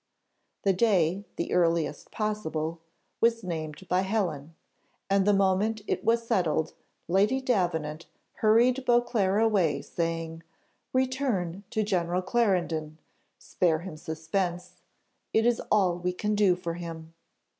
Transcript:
The day, the earliest possible, was named by Helen; and the moment it was settled, Lady Davenant hurried Beauclerc away, saying "Return to General Clarendon spare him suspense it is all we can do for him."